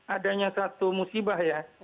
adanya satu musibah ya